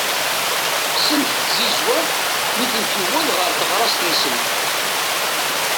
Qqsent-t tzizwa mi tent-yewweḍ ɣer teɣrast-nsent.